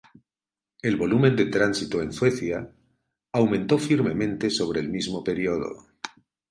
El volumen de tránsito en Suecia aumentó firmemente sobre el mismo periodo.